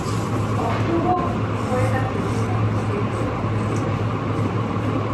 অসহ্য হয়ে তাকে সেখান থেকে বের করে অন্য একটি হাসপাতালে এনেছি।